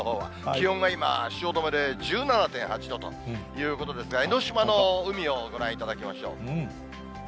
気温は今、汐留で１７．８度ということですが、江の島の海をご覧いただきましょう。